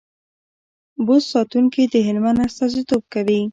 بست ساتونکي د هلمند استازیتوب کوي.